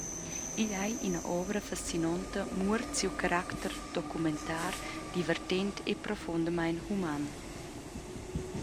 Igl ei ina ovra fascinonta muort siu caracter documentar, divertent e profundamein human.